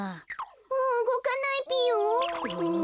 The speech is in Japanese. もううごかないぴよ？